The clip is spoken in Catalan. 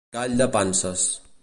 Gall de panses.